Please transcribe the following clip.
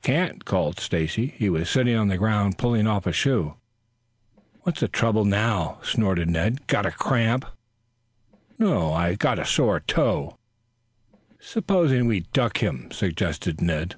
"Can't," called Stacy. He was sitting on the ground pulling off a shoe. "What's the trouble now?" snorted Ned. "Got a cramp?" "No; I've got a sore toe." "Supposing we duck him," suggested Ned.